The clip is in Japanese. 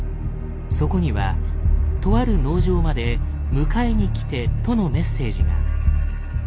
そこにはとある農場まで「迎えにきて」とのメッセージが。